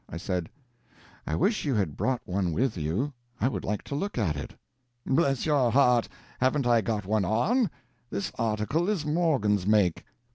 I said, "I wish you had brought one with you I would like to look at it." "Bless your heart, haven't I got one on? this article is Morgan's make."